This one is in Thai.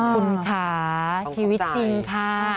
คุณค่ะชีวิตจริงค่ะ